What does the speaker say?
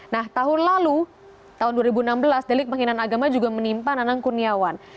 nah tahun lalu tahun dua ribu enam belas delik penghinaan agama juga menimpa nanang kurniawan